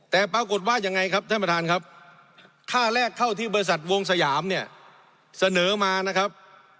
แต่ปรากฏว่าอย่างไรครับท่านประธานครับ